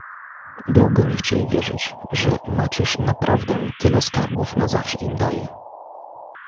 "Długo nie chcieli wierzyć, że Maciuś naprawdę tyle skarbów na zawsze im daje."